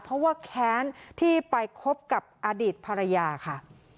เพราะว่าแค้นที่ไปคบกับอดีตภรรยาค่ะ